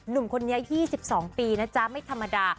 วันนี้๒๒ปีนะจ๊ะไม่ธรรมดา